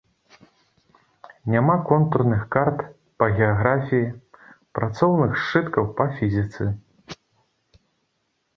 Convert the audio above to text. Няма контурных карт па геаграфіі, працоўных сшыткаў па фізіцы.